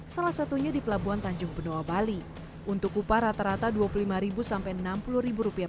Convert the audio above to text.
salah satunya di pelabuhan tanjung benoa bali untuk upah rata rata dua puluh lima sampai enam puluh rupiah